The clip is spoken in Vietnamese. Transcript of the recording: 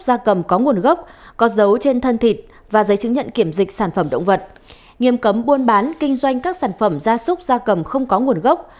gia cầm có nguồn gốc có dấu trên thân thịt và giấy chứng nhận kiểm dịch sản phẩm động vật